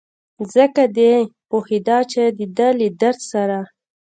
ځکه دی پوهېده چې دده له درد سره.